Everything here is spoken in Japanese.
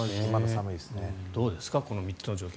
どうですかこの３つの条件